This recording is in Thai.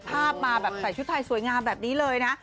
ภาพมาแบบใส่ชุดไทยสวยงามแบบนี้เลยนะ